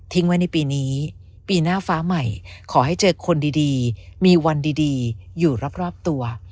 ไว้ในปีนี้ปีหน้าฟ้าใหม่ขอให้เจอคนดีมีวันดีอยู่รอบตัว